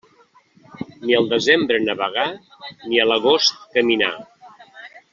Ni al desembre navegar, ni a l'agost caminar.